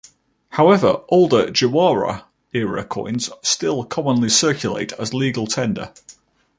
However, older Jawara era coins still commonly circulate as legal tender.